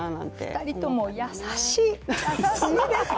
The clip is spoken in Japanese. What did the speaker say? ２人とも優しいです。